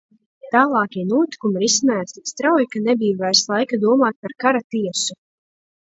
Tālākie notikumi risinājās tik strauji, ka nebija vairs laika domāt par kara tiesu.